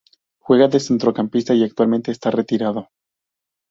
Juega de centrocampista y actualmente está retirado.